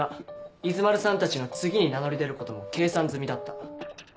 （伊豆丸さんたちの次に名乗り出ることも計算済みだった。